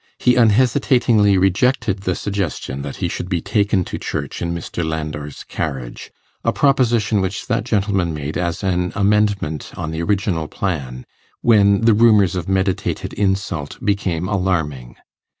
He unhesitatingly rejected the suggestion that he should be taken to church in Mr. Landor's carriage a proposition which that gentleman made as an amendment on the original plan, when the rumours of meditated insult became alarming.